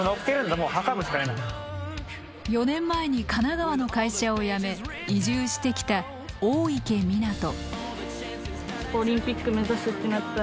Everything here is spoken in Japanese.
４年前に神奈川の会社を辞め移住してきた大池水杜。